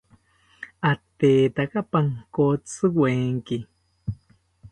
Atetaka pankotziwenki